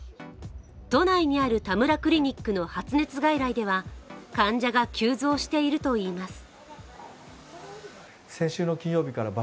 都内にある、たむらクリニックの発熱外来では患者が急増しているといいます。